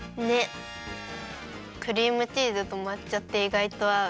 クリームチーズとまっ茶っていがいとあう。